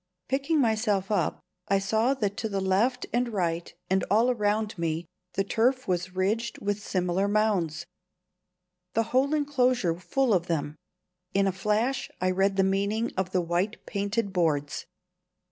Picking myself up, I saw that to left and right and all around me the turf was ridged with similar mounds, the whole enclosure full of them. In a flash I read the meaning of the white painted boards.